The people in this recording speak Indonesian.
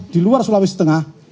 di luar sulawesi tengah